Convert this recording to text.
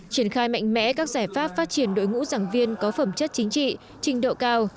triển khai mạnh mẽ các giải pháp phát triển đội ngũ giảng viên có phẩm chất chính trị trình độ cao